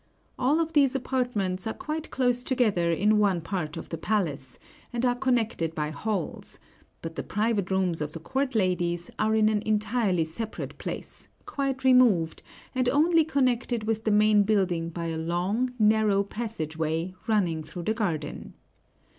All of these apartments are quite close together in one part of the palace, and are connected by halls; but the private rooms of the court ladies are in an entirely separate place, quite removed, and only connected with the main building by a long, narrow passageway, running through the garden.